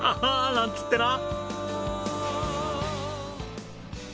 なんつってな！